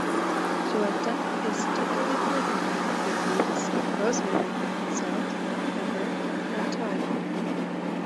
Goetta is typically flavored with bay leaves, rosemary, salt, pepper, and thyme.